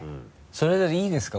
それでいいですか？